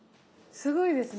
すごいですね。